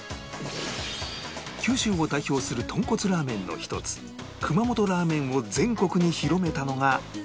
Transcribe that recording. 九州を代表する豚骨ラーメンの１つ熊本ラーメンを全国に広めたのが